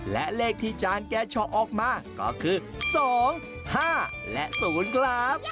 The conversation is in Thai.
และเลขที่จานแกเฉาะออกมาก็คือ๒๕และ๐ครับ